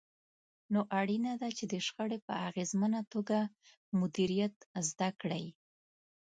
نو اړينه ده چې د شخړې په اغېزمنه توګه مديريت زده کړئ.